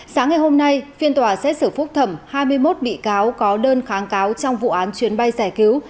sáng ngày hôm nay phiên tòa xét xử phúc thẩm hai mươi một bị cáo có đơn kháng cáo trong vụ án chuyến bay giải cứu